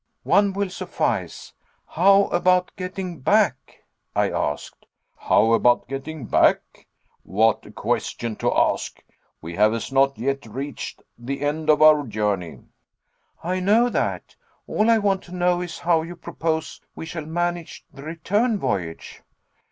"One will suffice. How about getting back?" I asked. "How about getting back? What a question to ask. We have not as yet reached the end of our journey." "I know that. All I want to know is how you propose we shall manage the return voyage?"